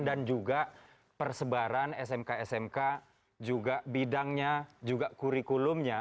dan juga persebaran smk smk juga bidangnya juga kurikulumnya